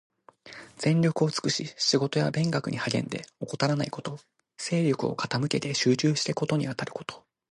全力を尽くし仕事や勉学に励んで、怠らないこと。精力を傾けて集中して事にあたること。